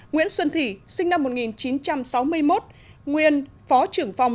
nguyễn xuân thị sinh năm một nghìn chín trăm sáu mươi một nguyên phó trưởng phòng